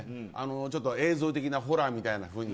映像的なホラーみたいな雰囲気。